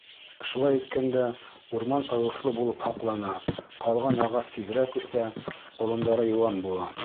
Шулай иткәндә урман ылыҫлы булып һаҡлана, ҡалған ағас тиҙерәк үҫә, олондары йыуан була.